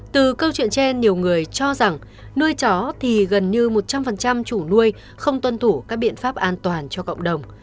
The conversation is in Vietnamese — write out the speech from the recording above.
từ câu chuyện trên nhiều người cho rằng nuôi chó thì gần như một trăm linh chủ nuôi không tuân thủ các biện pháp an toàn cho cộng đồng